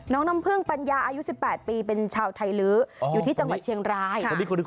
น้ำพึ่งปัญญาอายุ๑๘ปีเป็นชาวไทยลื้ออยู่ที่จังหวัดเชียงราย